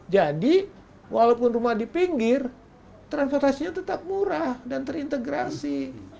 jadi walaupun rumah di pinggir transportasinya tetap murah dan terintegrasi